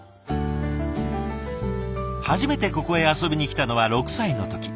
初めてここへ遊びに来たのは６歳の時。